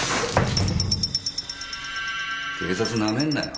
警察なめんなよ。